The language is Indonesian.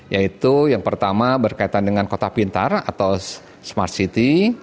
yaitu yang pertama berkaitan dengan kota pintar atau smart city